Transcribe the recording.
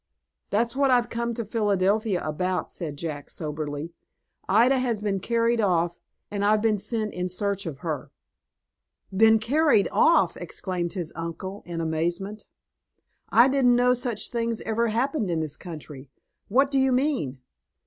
"That's what I've come to Philadelphia about," said Jack, soberly. "Ida has been carried off, and I've been sent in search of her." "Been carried off!" exclaimed his uncle, in amazement. "I didn't know such things ever happened in this country. What do you mean?"